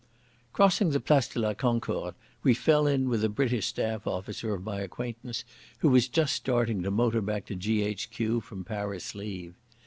Crossing the Place de la Concorde, we fell in with a British staff officer of my acquaintance, who was just starting to motor back to G.H.Q. from Paris leave.